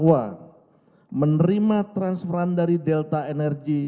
yang menerima transferan dari delta energy